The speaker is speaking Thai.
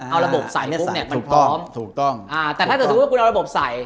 เอาระบบใสมันพร้อมถ้าถ้าคุณเอาระบบใส